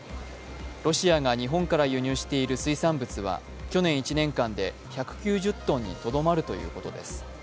ロシアが日本から輸入している水産物は、去年１年間で１９０ｔにとどまるということです。